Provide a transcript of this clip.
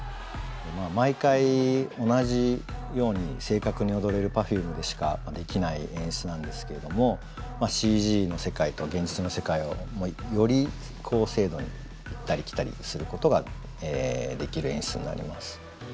毎回同じように正確に踊れるＰｅｒｆｕｍｅでしかできない演出なんですけれどもＣＧの世界と現実の世界をより高精度に行ったり来たりすることができる演出になります。